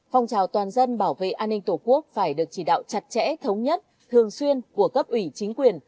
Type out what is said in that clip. phong trào toàn dân bảo vệ an ninh tổ quốc phải được chỉ đạo chặt chẽ thống nhất thường xuyên của cấp ủy chính quyền